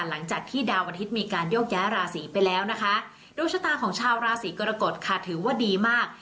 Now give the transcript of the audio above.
หลังจากที่ดาวอาทิตย์มีการโยกย้ายราศีไปแล้วนะคะดวงชะตาของชาวราศีกรกฎค่ะถือว่าดีมาก